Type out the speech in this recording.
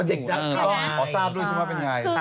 อ๋อเด็กนักข่าวอ๋อทราบดูสิว่าเป็นอย่างไร